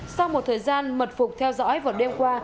sau một thời gian mật phục theo dõi vào đêm qua